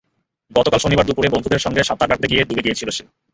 গতকাল শনিবার দুপুরে বন্ধুদের সঙ্গে সাঁতার কাটতে গিয়ে ডুবে গিয়েছিল সে।